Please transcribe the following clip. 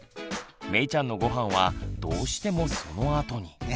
めいちゃんのごはんはどうしてもそのあとに。